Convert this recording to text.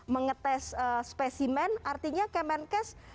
mengetes spesimen artinya kemenkes